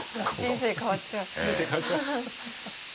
人生変わっちゃう。